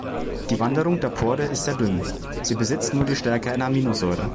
Die Wandung der Pore ist sehr dünn; sie besitzt nur die Stärke einer Aminosäure.